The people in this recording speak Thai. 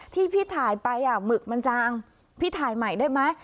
ที่พี่ถ่ายไปหมึกมันจางพี่ถ่ายใหม่ได้ไหม